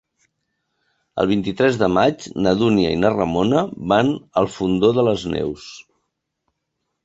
El vint-i-tres de maig na Dúnia i na Ramona van al Fondó de les Neus.